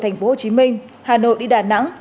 thành phố hồ chí minh hà nội đi đà nẵng